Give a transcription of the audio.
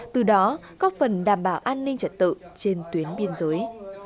từ đó có phần đảm bảo an ninh trật tự trên tuyến biên giới